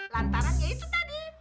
lantaran ya itu tadi